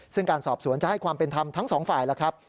ซึ่งการสอบสวนจะให้ความเป็นธรรมทั้งสองฝ่ายแล้วครับ